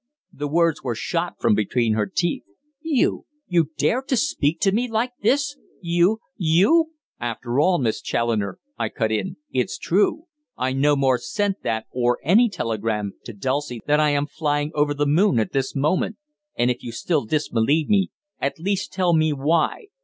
The words were shot from between her teeth. "You you dare to speak to me like this you you " "After all, Miss Challoner," I cut in, "it's true. I no more sent that, or any telegram, to Dulcie than I am flying over the moon at this moment. And if you still disbelieve me, at least tell me why.